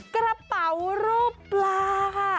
กระเป๋ารูปปลาค่ะ